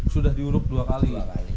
sudah diurup dua kali